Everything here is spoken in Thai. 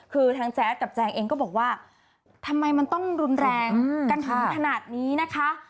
คือแจ๊สกับแจงแจ็งก็บอกว่าทำไมมันต้องรุนแรงการทำถนาดนี้นะคะ